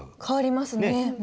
変わりますね。